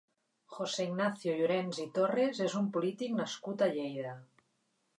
José Ignacio Llorens i Torres és un polític nascut a Lleida.